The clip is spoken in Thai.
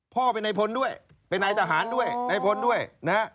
พ่อไปไหนพ้นด้วยไปไหนทหารด้วยไหนพ้นด้วยนะฮะ